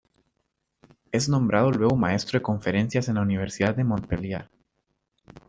Es nombrado luego maestro de conferencias en la universidad de Montpellier.